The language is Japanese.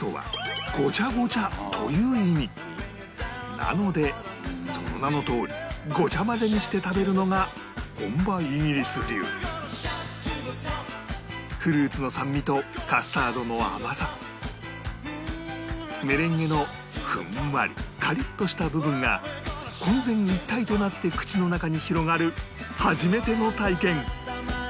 なのでその名のとおりごちゃ混ぜにして食べるのが本場イギリス流フルーツの酸味とカスタードの甘さメレンゲのふんわりカリッとした部分が混然一体となって口の中に広がる初めての体験